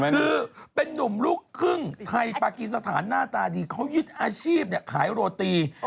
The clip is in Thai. คือเป็นนุ่มลูกครึ่งไทยปากีสถานหน้าตาดีเขายึดอาชีพขายโรตี